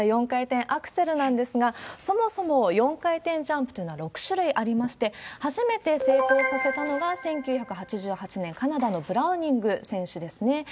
４回転アクセルなんですが、そもそも、４回転ジャンプというのは６種類ありまして、初めて成功させたのが１９８８年、カナダのブラウニング選手ですね。